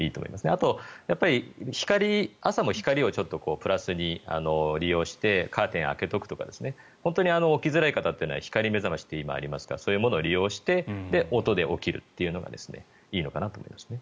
あとは、朝も光をプラスに利用してカーテンを開けておくとか起きづらい方というのは光目覚ましって今ありますがそういうものを利用して音で起きるというのがいいのかなと思いますね。